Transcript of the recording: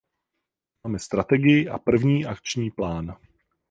Máme strategii a první akční plán.